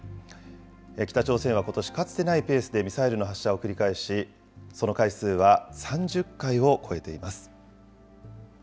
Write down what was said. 北朝鮮はことし、かつてないペースでミサイルの発射を繰り返し、その回数は３０回を超えています。